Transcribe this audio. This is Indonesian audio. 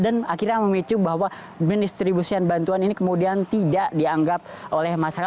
dan akhirnya memicu bahwa pendistribusian bantuan ini kemudian tidak dianggap oleh masyarakat